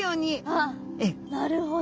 ああなるほど。